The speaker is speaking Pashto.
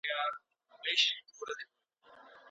ولي زیارکښ کس د لوستي کس په پرتله ښه ځلېږي؟